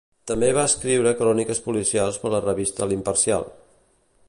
També va escriure cròniques policials per la revista L'Imparcial.